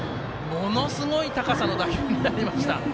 ものすごい高さの打球になりました。